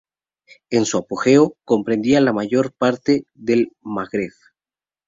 En su apogeo, comprendía la mayor parte del Magreb.